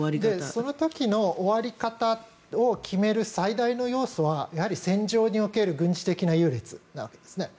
その時の終わり方を決める最大の要素はやはり戦場における軍事的な優劣なわけですね。